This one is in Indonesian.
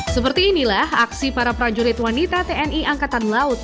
seperti inilah aksi para prajurit wanita tni angkatan laut